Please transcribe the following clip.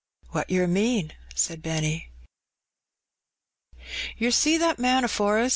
"What yer mean?" said Benny. "Ter see that man afore us.